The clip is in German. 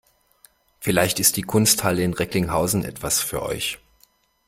Vielleicht ist die Kunsthalle in Recklinghausen etwas für euch.